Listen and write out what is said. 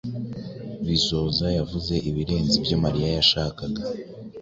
Bizoza yavuze ibirenze ibyo Mariya yashakaga.